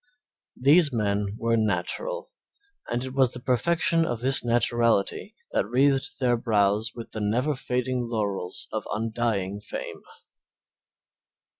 These men were natural, and it was the perfection of this naturality that wreathed their brows with the never fading laurels of undying fame.